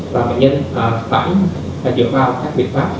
và bệnh nhân phải dựa vào các biện pháp